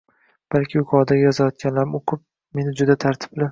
Balki yuqoridagi yozayotganlarimni o’qib meni juda tartibli